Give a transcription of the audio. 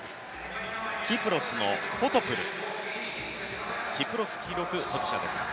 キプロスのフォトプルキプロス記録保持者です。